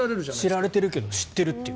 知られてるけど知ってるという。